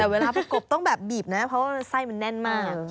แต่เวลาประกบต้องแบบบีบนะเพราะว่าไส้มันแน่นมาก